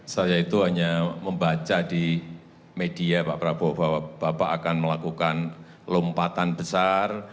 saya itu hanya membaca di media pak prabowo bahwa bapak akan melakukan lompatan besar